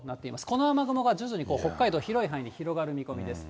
この雨雲が徐々に北海道、広い範囲で広がる見込みです。